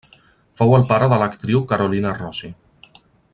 Fou el pare de l'actriu Carolina Rosi.